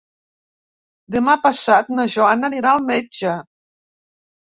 Demà passat na Joana anirà al metge.